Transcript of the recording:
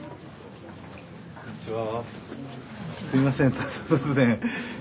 こんにちは。